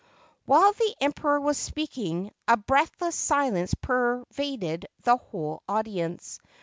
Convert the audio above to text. ] While the Emperor was speaking, a breathless silence pervaded the whole audience.